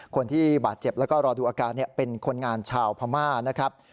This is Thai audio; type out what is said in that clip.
คนที่บาดเจ็บแล้วก็รอดูอาการเป็นคนงานชาวพม่านะครับ